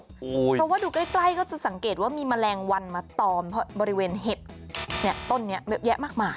เพราะว่าดูใกล้ก็จะสังเกตว่ามีแมลงวันมาตอมบริเวณเห็ดต้นนี้เยอะแยะมากมาย